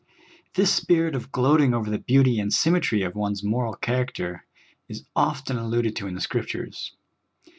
This spirit of gloating over the beauty and symmetry of one's moral character is often alluded to in the Scriptures.